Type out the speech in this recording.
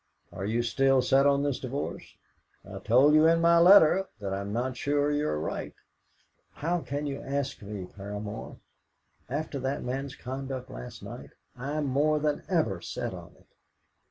"Are you still set on this divorce? I told you in my letter that I am not sure you are right." "How can you ask me, Paramor? After that man's conduct last night, I am more than ever set on it."